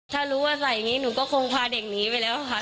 ถ้ารู้ว่าใส่อย่างนี้หนูก็คงพาเด็กหนีไปแล้วค่ะ